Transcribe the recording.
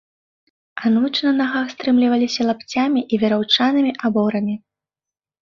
Анучы на нагах стрымліваліся лапцямі і вераўчанымі аборамі.